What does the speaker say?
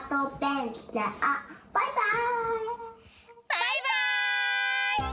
バイバイ！